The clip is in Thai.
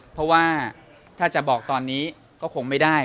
เพราะว่าถ้าจะบอกตอนนี้ก็คงไม่ได้